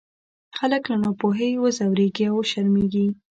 خلک له ناپوهۍ وځورېږي او وشرمېږي.